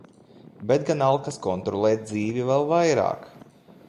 Bet gan alkas kontrolēt dzīvi vēl vairāk.